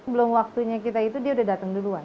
belum waktunya kita itu dia udah datang duluan